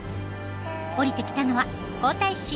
降りてきたのは皇太子。